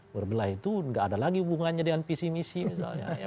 berbelah itu nggak ada lagi hubungannya dengan visi misi misalnya